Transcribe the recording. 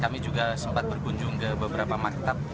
kami juga sempat berkunjung ke beberapa maktab